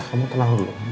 kamu tenang dulu